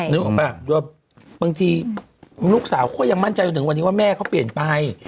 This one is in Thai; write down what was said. นึกออกป่ะโดยบางทีลูกสาวเขายังมั่นใจจนถึงวันนี้ว่าแม่เขาเปลี่ยนไป